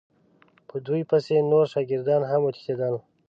په دوی پسې نور شاګردان هم وتښتېدل.